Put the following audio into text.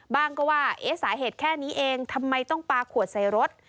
บ้างก็ว่าเอ๊ะสาเหตุแค่นี้เองทำไมต้องปลาขวดใส่รถ